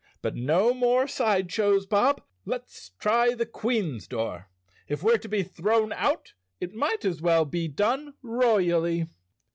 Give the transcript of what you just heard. But no more side shows, Bob. Let's try the Queen's door, if we're to be thrown out it might as well be done roy¬ ally."